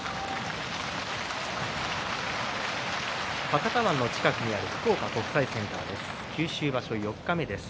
博多湾の近くにある福岡国際センターです。